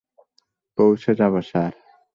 পৌঁছে যাবো, স্যার।